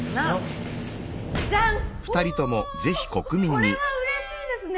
これはうれしいですね。